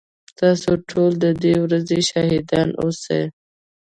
تاسو ټول ددې ورځي شاهدان اوسئ